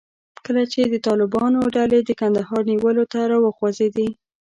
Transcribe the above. کله چې د طالبانو ډلې د کندهار نیولو ته راوخوځېدې.